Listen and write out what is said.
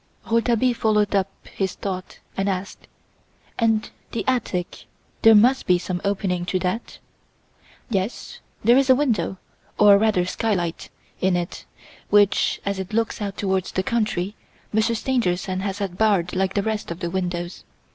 Rouletabille following up his thought, asked: "And the attic? There must be some opening to that?" "Yes; there is a window, or rather skylight, in it, which, as it looks out towards the country, Monsieur Stangerson has had barred, like the rest of the windows.